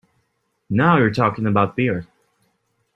Now you are talking about beer!